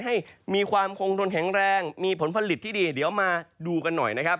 ให้มีความคงทนแข็งแรงมีผลผลิตที่ดีเดี๋ยวมาดูกันหน่อยนะครับ